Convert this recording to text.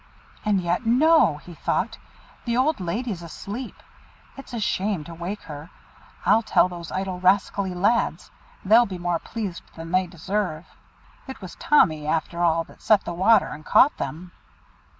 "And yet, no!" he thought, "the old lady's asleep, it's a shame to wake her, I'll tell those idle rascally lads, they'll be more pleased than they deserve. It was Tommy after all that set the water and caught him."